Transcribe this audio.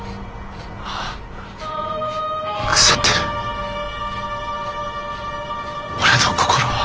腐ってる俺の心は。